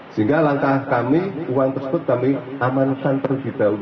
sehingga langkah kami uang tersebut kami amankan tergibau